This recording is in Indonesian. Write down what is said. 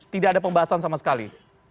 tidak ada pembahasan sama sekali